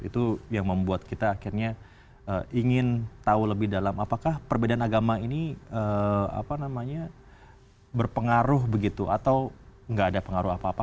itu yang membuat kita akhirnya ingin tahu lebih dalam apakah perbedaan agama ini berpengaruh begitu atau nggak ada pengaruh apa apa